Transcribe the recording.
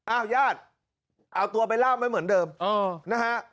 ญาติเอาตัวไปล่ามไว้เหมือนเดิมนะฮะ